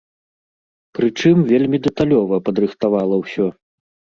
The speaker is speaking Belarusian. Прычым вельмі дэталёва падрыхтавала ўсё.